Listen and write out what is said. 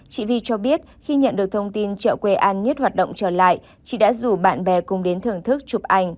chị vi cho biết khi nhận được thông tin chợ quê an nhất hoạt động trở lại chị đã rủ bạn bè cùng đến thưởng thức chụp ảnh